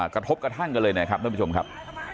กระทบกระทั่งกันเลยนะครับท่านผู้ชมครับ